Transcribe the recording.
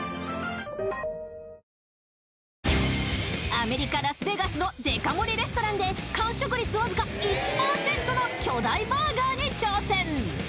アメリカ・ラスベガスのデカ盛りレストランで完食率わずか１％の巨大バーガーに挑戦！